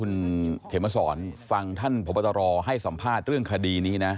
คุณเขมสอนฟังท่านพบตรให้สัมภาษณ์เรื่องคดีนี้นะ